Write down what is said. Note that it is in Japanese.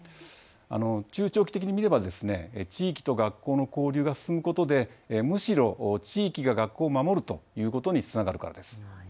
中長期的に見れば地域と学校の交流が進むことでむしろ地域が学校を守るということにつながるからです。